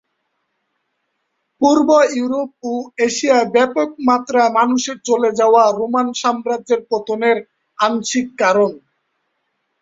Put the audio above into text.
পূর্ব Europe ও এশিয়ায় ব্যাপক মাত্রায় মানুষের চলে যাওয়া রোমান সাম্রাজ্যের পতনের আংশিক কারণ।